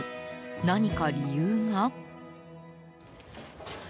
何か理由が？